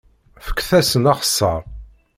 Fket-asen axeṣṣar!